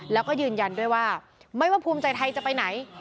แล้วก็ยืนยันด้วยว่าไม่ว่าภูมิใจไทยจะไปไหน